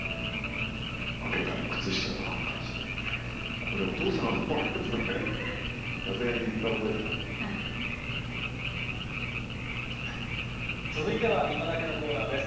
開けたら靴下とハンカチでこれ、お父さんがもらうやつじゃないかって、さすがに言った覚えが続いてはいまダケッのコーナーです。